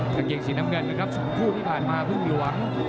กางเกงสีน้ำเงินนะครับ๒คู่ที่ผ่านมาพึ่งหลวง